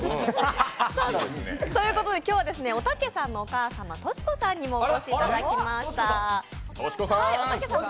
今日はおたけさんのお母様、トシ子さんにもお越しいただきました。